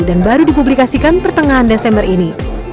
dan baru dipublikasikan pertengahan desember ini